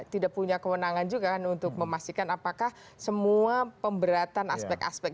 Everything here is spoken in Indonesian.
tidak punya kewenangan juga untuk memastikan apakah semua pemberatan aspek aspek